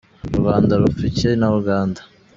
U Rwanda rupfa iki na Uganda?